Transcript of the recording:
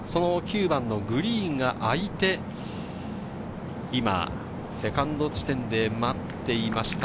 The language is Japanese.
９番のグリーンが空いて、今セカンド地点で待っていました。